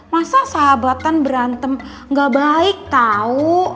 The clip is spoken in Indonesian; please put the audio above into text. masa sahabatan berantem gak baik tahu